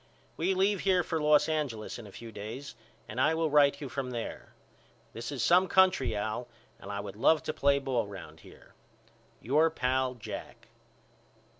We leave here for Los Angeles in a few days and I will write you from there. This is some country Al and I would love to play ball round here. Your Pal, JACK.